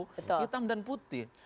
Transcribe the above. hitam dan putih